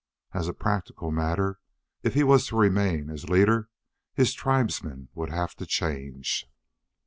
As a practical matter, if he was to remain as leader his tribesmen would have to change.